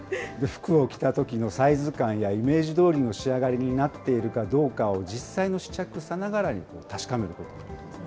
服を着たときのサイズ感やイメージどおりの仕上がりになっているかどうかを実際の試着さながらに確かめることができるんです。